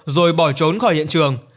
rồi bỏ trốn khỏi hiện trường